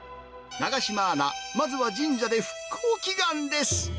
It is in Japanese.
永島アナ、まずは神社で復興祈願です。